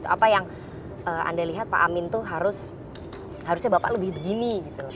apa yang anda lihat pak amin itu harusnya bapak lebih begini